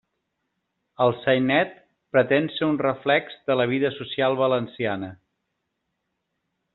El sainet pretén ser un reflex de la vida social valenciana.